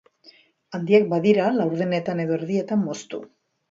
Handiak badira, laurdenetan edo erdietan moztu.